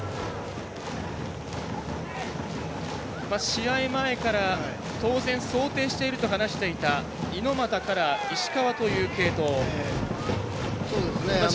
試合前から当然、想定していると話していた猪俣から石川という継投。